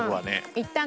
いったんね。